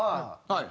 はい。